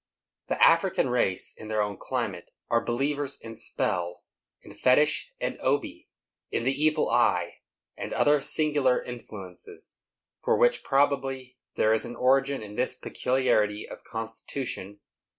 The African race, in their own climate, are believers in spells, in "fetish and obi," in "the evil eye," and other singular influences, for which, probably, there is an origin in this peculiarity of constitution.